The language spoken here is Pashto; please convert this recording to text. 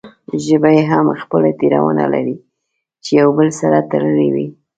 ژبې هم خپل ټبرونه لري چې يو بل سره تړلې وي